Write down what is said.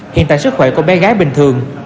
hiện tại sức khỏe của bé gái bình thường